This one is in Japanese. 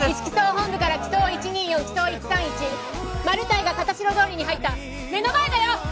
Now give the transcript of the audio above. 機捜本部から機捜１２４機捜１３１マルタイが形代通りに入った目の前だよ！